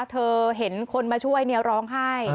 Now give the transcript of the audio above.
เธอเห็นคนมาช่วยร้องไห้